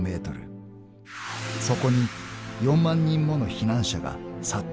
［そこに４万人もの避難者が殺到した］